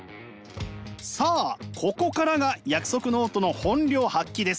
さあここからが約束ノートの本領発揮です。